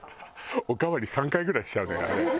おかわり３回ぐらいしちゃうのよあれ。